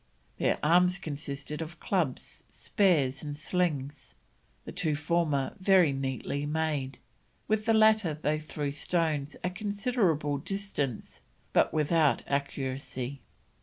Their arms consisted of clubs, spears, and slings, the two former very neatly made, and with the latter they threw stones a considerable distance but without accuracy.